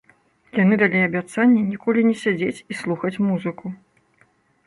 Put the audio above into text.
Яны далі абяцанне ніколі не сядзець і слухаць музыку.